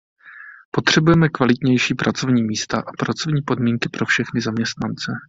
Potřebujeme kvalitnější pracovní místa a pracovní podmínky pro všechny zaměstnance.